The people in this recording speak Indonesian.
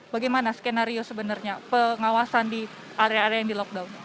bagaimana skenario sebenarnya pengawasan di area area yang di lockdown